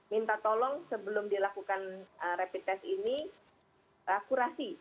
minta tolong sebelum dilakukan rapid test ini kurasi